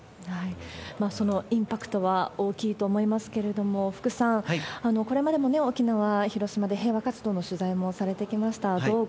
そのインパクトは大きいと思いますけれども、福さん、これまでも沖縄、広島で平和活動の取材もされてきました。